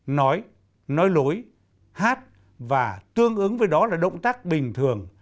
nói nói lối hát và tương ứng với đó là động tác bình thường